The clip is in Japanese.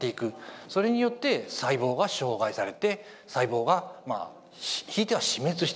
それによって細胞が傷害されて細胞がひいては死滅していく。